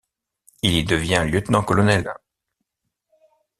Il y devient lieutenant-colonel.